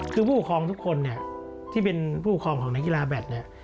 คือผู้หุคลองทุกคนที่เป็นผู้หุคลองของนักกีฬาแบต